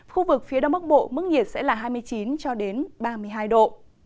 khu vực phía đông bắc bộ mức nhiệt sẽ là hai mươi chín ba mươi hai độ